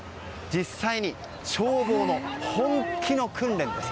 実際に消防の本気の訓練です。